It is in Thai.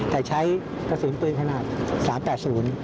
แต่ใช้ประสุนปืนขนาด๓๘๐